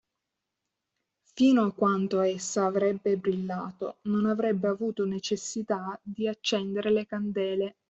Fino a quanto essa avrebbe brillato, non avrebbe avuto necessità di accendere le candele.